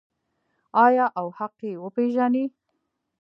آیا او حق یې وپیژني؟